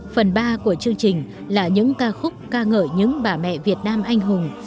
phần ba của chương trình là những ca khúc ca ngợi những bà mẹ việt nam anh hùng